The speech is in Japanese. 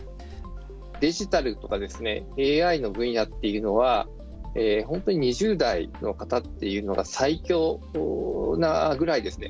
デジタルとかですねＡＩの分野っていうのは本当に２０代の方というのが最強なぐらいですね